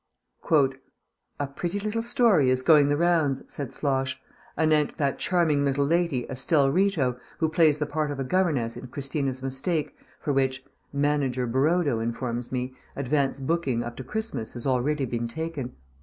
"A pretty little story is going the rounds," said Slosh, "anent that charming little lady, Estelle Rito, who plays the part of a governess in Christina's Mistake, for which ('Manager' Barodo informs me) advance booking up to Christmas has already been taken.